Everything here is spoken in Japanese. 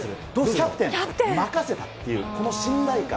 キャプテン、任せたっていうこの信頼感。